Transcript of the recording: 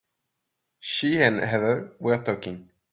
She and Heather were talking.